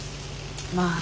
まあ。